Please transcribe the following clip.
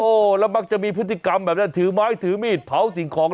โอ้โหแล้วมักจะมีพฤติกรรมแบบนี้ถือไม้ถือมีดเผาสิ่งของ